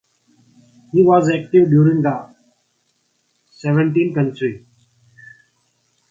He was active during the seventeenth century.